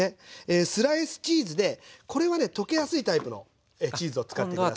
スライスチーズでこれはね溶けやすいタイプのチーズを使って下さい。